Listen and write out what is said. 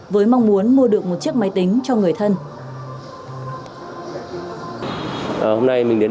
với mong muốn mua được một chiếc máy tính cho người thân